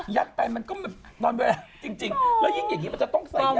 ยักษ์ไปมันก็จริงแล้วยิ่งอย่างนี้มันจะต้องใส่ยังไง